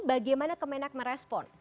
bagaimana kemenak merespon